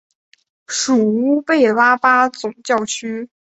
属乌贝拉巴总教区。